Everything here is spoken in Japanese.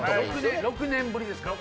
６年ぶりですから。